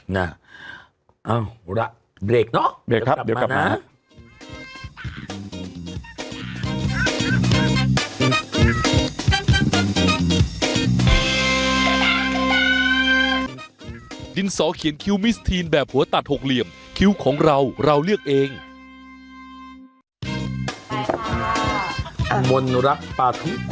เอ้าอุละเบรกเนาะเดี๋ยวกลับมานะ